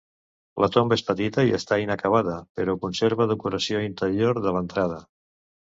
La tomba és petita i està inacabada, però conserva decoració interior de l'entrada.